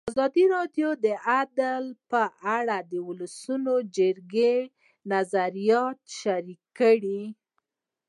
ازادي راډیو د عدالت په اړه د ولسي جرګې نظرونه شریک کړي.